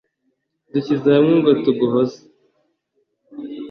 Dushyize hamwe ngo tuguhozeee